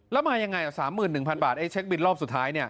แล้วมายังไง๓๑๐๐๐บาทไอ้เช็คบินรอบสุดท้ายเนี่ย